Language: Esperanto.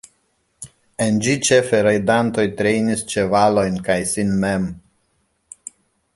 En ĝi ĉefe rajdantoj trejnis ĉevalojn kaj sin mem.